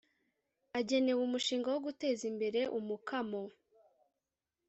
agenewe umushinga wo guteza imbere umukamo